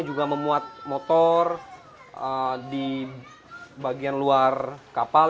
juga memuat motor di bagian luar kapal